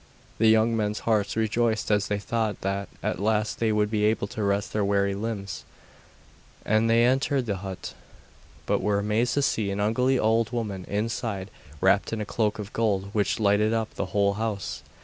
The young men's hearts rejoiced as they thought that at last they would be able to rest their weary limbs, and they entered the hut, but were amazed to see an ugly old woman inside, wrapped in a cloak of gold which lighted up the whole house.